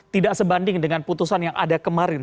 tidak sebanding dengan putusan yang ada kemarin